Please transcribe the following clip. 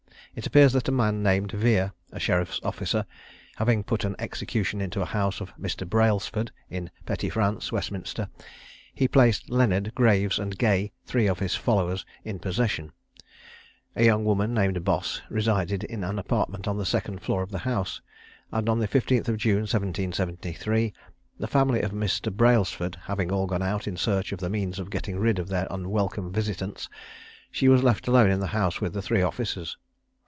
It appears that a man named Vere, a sheriff's officer, having put an execution into a house of Mr. Brailsford, in Petty France, Westminster, he placed Leonard, Graves, and Gay, three of his followers, in possession. A young woman named Boss resided in an apartment on the second floor of the house, and on the 15th June, 1773, the family of Mr. Brailsford having all gone out in search of the means of getting rid of their unwelcome visitants, she was left alone in the house with the three officers.